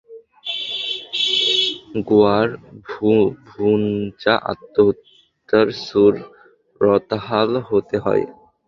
গুয়াড় ভূঞা আত্মহত্যুর সুরতহাল হতে হয়।